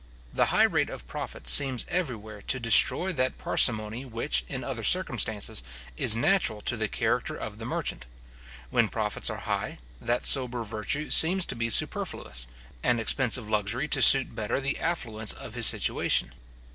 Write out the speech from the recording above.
The high rate of profit seems everywhere to destroy that parsimony which, in other circumstances, is natural to the character of the merchant. When profits are high, that sober virtue seems to be superfluous, and expensive luxury to suit better the affluence of his situation.